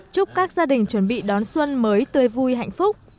chúc các gia đình chuẩn bị đón xuân mới tươi vui hạnh phúc